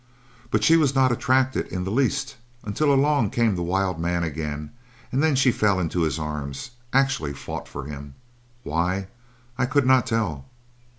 But she was not attracted in the least until along came the wild man again, and then she fell into his arms actually fought for him! Why? I could not tell.